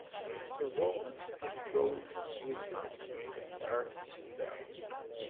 The Romans built roads with them that are still there.